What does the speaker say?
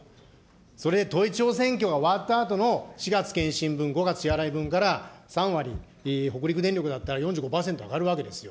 それで統一地方選挙が終わったあとの４月検針分、５月支払い分から３割、北陸電力だったら４５％上がるわけですよ。